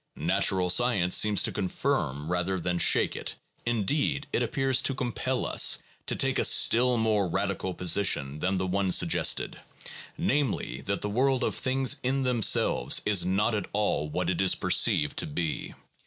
Natural science seems to confirm rather than shake it; indeed, it appears to compel us to take a still more radical position than the one suggested, namely, that the world of things in themselves is not at all what it is perceived to be.